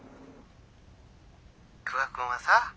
久我君はさ